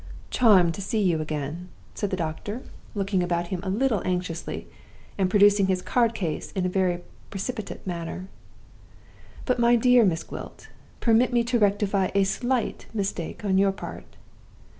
"'Charmed to see you again,' said the doctor, looking about him a little anxiously, and producing his card case in a very precipitate manner. 'But, my dear Miss Gwilt, permit me to rectify a slight mistake on your part.